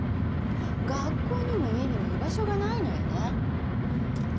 学校にも家にも居場所がないのよね。